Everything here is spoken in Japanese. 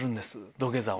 土下座を。